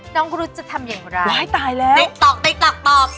น้องรุ๊ดจะทำอย่างไรติ๊กตอกตอบ